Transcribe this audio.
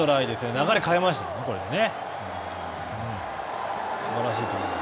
流れを変えましたね、これでね。